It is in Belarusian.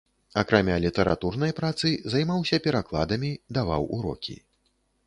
Акрамя літаратурнай працы займаўся перакладамі, даваў урокі.